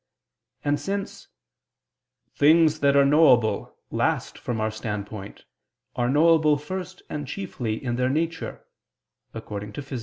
And, since "things that are knowable last from our standpoint, are knowable first and chiefly in their nature" (Phys.